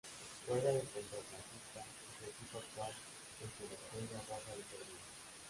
Juega de centrocampista y su equipo actual es el Estrella Roja de Serbia.